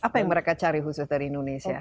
apa yang mereka cari khusus dari indonesia